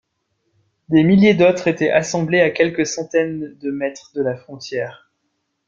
Des milliers d'autres étaient assemblés à quelques centaines de mètres de la frontière.